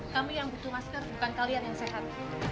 kami yang butuh masker bukan kalian yang sehat